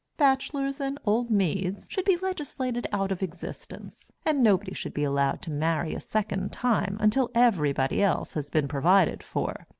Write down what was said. Bachelors and old maids should be legislated out of existence, and nobody should be allowed to marry a second time until everybody else had been provided for.